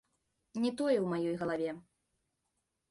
Не тое ў маёй галаве.